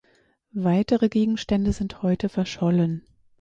Weitere Gegenstände sind heute verschollen.